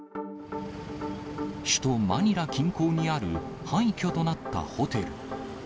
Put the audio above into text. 首都マニラ近郊にある廃虚となったホテル。